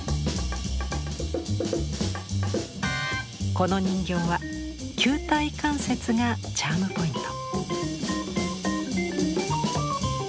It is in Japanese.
この人形は球体関節がチャームポイント。